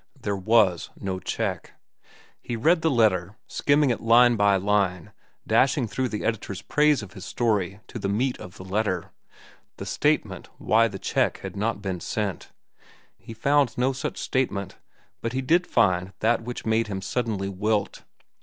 There was no check. He read the letter, skimming it line by line, dashing through the editor's praise of his story to the meat of the letter, the statement why the check had not been sent. He found no such statement, but he did find that which made him suddenly wilt.